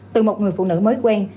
từ một người phụ nữ mới quen